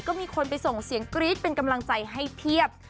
ก็มีคนไปส่งเสียงกรี๊ดเป็นกำลังใจให้เพียบ